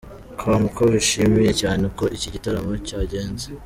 com ko bishimiye cyane uko iki giratamo cyagenze.